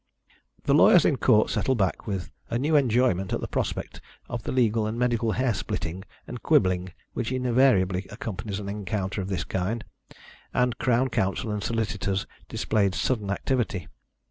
The lawyers in court settled back with a new enjoyment at the prospect of the legal and medical hair splitting and quibbling which invariably accompanies an encounter of this kind, and Crown Counsel and solicitors displayed sudden activity.